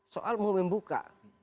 soal mau membuka